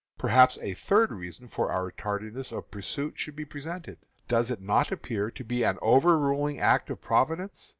Perhaps a third reason for our tardiness of pursuit should be presented. Does it not appear to be an overruling act of Providence?